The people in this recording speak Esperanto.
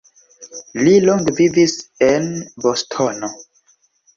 Li longe vivis en Bostono.